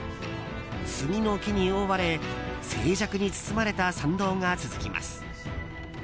杉の木に覆われ、静寂に包まれた参道が続きます。